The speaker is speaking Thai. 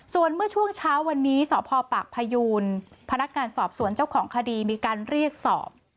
ส่วนเมื่อช่วงเช้าวันนี้สพปากพยูนพนักงานสอบสวนเจ้าของคดีมีการเรียกสอบ